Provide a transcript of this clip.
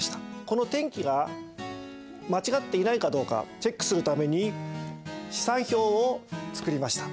この転記が間違っていないかどうかチェックするために試算表を作りました。